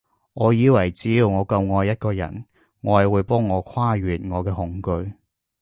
我以為只要我夠愛一個人，愛會幫我跨越我嘅恐懼